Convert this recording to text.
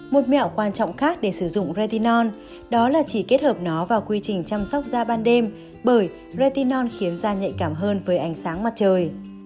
một mẹo quan trọng khác để sử dụng ration đó là chỉ kết hợp nó vào quy trình chăm sóc da ban đêm bởi retion khiến da nhạy cảm hơn với ánh sáng mặt trời